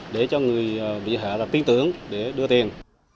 để cho người bị hẹn là tiến tướng để đưa tiền